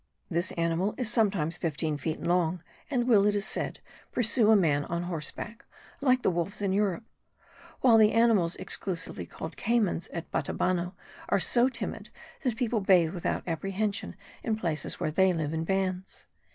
This animal is sometimes fifteen feet long, and will, it is said, pursue a man on horseback, like the wolves in Europe; while the animals exclusively called caymans at Batabano are so timid that people bathe without apprehension in places where they live in bands.